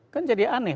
kan jadi aneh